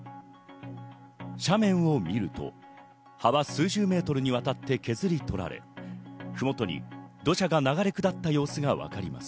斜面を見ると幅、数十ｍにわたって削り取られ、麓に土砂が流れ下った様子がわかります。